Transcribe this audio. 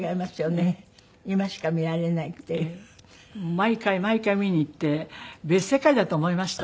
毎回毎回見に行って別世界だと思いました。